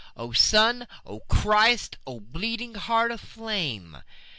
O Sun, O Christ, O bleeding Heart of flame!